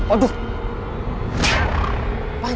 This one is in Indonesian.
aduh berat lagi